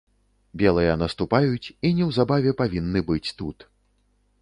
Белыя наступаюць і неўзабаве павінны быць тут.